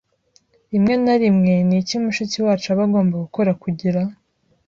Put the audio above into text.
Rimwe na rimwe ni iki mushiki wacu aba agomba gukora kugira